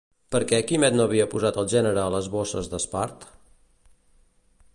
Per què Quimet no havia posat el gènere a les bosses d'espart?